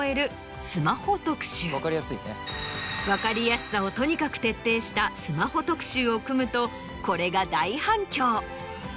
分かりやすさをとにかく徹底したスマホ特集を組むとこれが大反響。